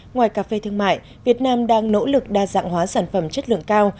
ngoài cà phê thương mại việt nam đang nỗ lực đa dạng hóa sản phẩm chất lượng cao